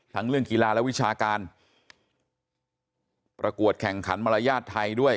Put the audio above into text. เรื่องกีฬาและวิชาการประกวดแข่งขันมารยาทไทยด้วย